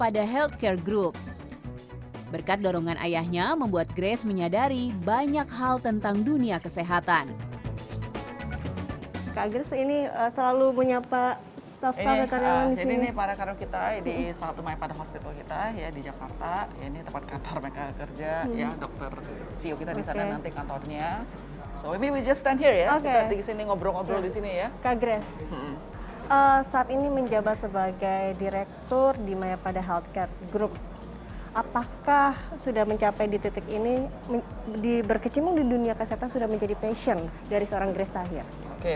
di berkecimbing di dunia kesehatan sudah menjadi passion dari seorang grace tahir